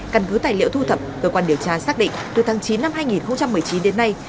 căn cứ tài liệu thu thập cơ quan điều tra xác định từ tháng chín năm hai nghìn một mươi chín đến nay